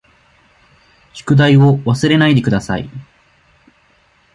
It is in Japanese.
宿題を忘れないでください。